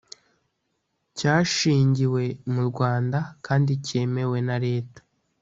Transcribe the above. cyashingiwe mu Rwanda kandi cyemewe na leta